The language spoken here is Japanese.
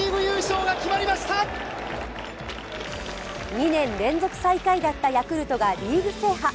２年連続最下位だったヤクルトがリーグ制覇。